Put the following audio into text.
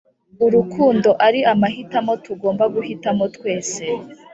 urukundo ari amahitamo tugomba guhitamo twese